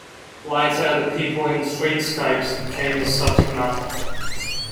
Later the people in streetscapes became his subject matter.